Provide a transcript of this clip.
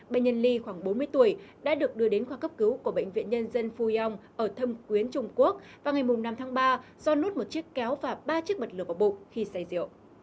bệnh nhân ly khoảng bốn mươi tuổi đã được đưa đến khoa cấp cứu của bệnh viện nhân dân phu yong ở thâm quyến trung quốc vào ngày năm tháng ba do nuốt một chiếc kéo và ba chiếc bật lửa vào bụng khi say rượu